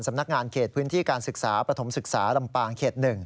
สำนักงานเขตพื้นที่การศึกษาประถมศึกษาลำปางเขต๑